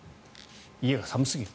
家が寒すぎる。